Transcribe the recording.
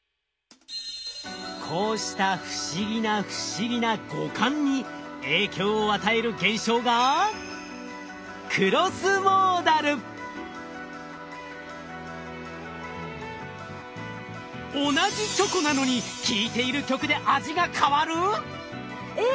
こうした不思議な不思議な五感に影響を与える現象が同じチョコなのに聴いている曲で味が変わる！？